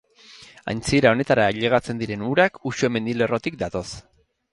Aintzira honetara ailegatzen diren urak Uxue mendilerrotik datoz.